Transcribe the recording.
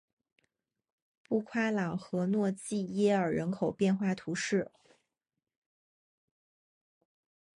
布夸朗和诺济耶尔人口变化图示